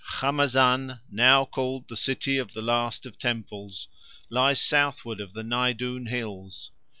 Khamazan, now called the City of the Last of Temples, lies southward of the Nydoon hills.